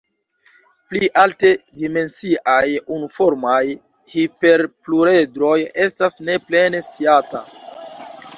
Pli alte dimensiaj unuformaj hiperpluredroj estas ne plene sciata.